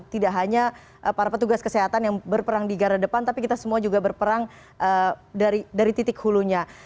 tidak hanya para petugas kesehatan yang berperang di gara depan tapi kita semua juga berperang dari titik hulunya